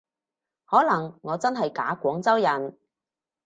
可能我真係假廣州人